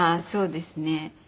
そうですね。